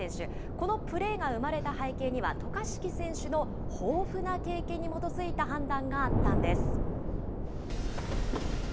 このプレーが生まれた背景には、渡嘉敷選手の豊富な経験に基づいた判断があったんです。